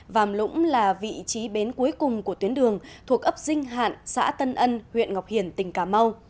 vàm lũng là vị trí bến cuối cùng của tuyến đường thuộc ấp dinh hạn xã tân ân huyện ngọc hiển tỉnh cà mau